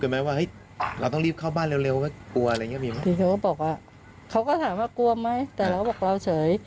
คือเขาก็บอกว่าเขาก็ถามว่ากลัวไหมแต่เราก็บอกเราเฉย